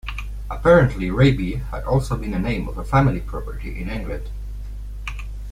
Apparently "Raby" had also been the name of a family property in England.